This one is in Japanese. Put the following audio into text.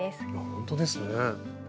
ほんとですね。